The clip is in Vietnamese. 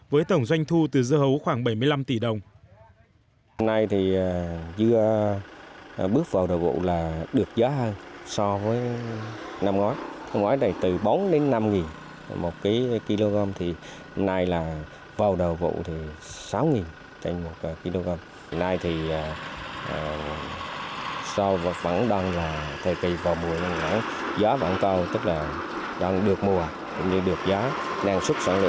với tổng doanh thu từ dưa hấu khoảng bảy mươi năm tỷ đồng